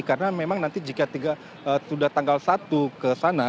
karena memang nanti jika sudah tanggal satu ke sana